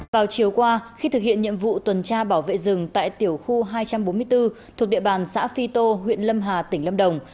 vào chiều qua khi thực hiện nhiệm vụ tuần tra bảo vệ rừng tại tiểu khu hai trăm bốn mươi bốn thuộc địa bàn xã phi tô huyện lâm hà tỉnh lâm đồng